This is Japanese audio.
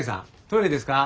トイレですか？